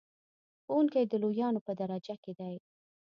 ښوونکی د لویانو په درجه کې دی.